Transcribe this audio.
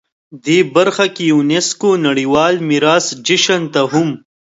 دې برخه کې یونسکو نړیوال میراث جشن ته هم